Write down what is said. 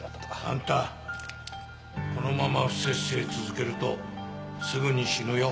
あんたこのまま不摂生続けるとすぐに死ぬよ。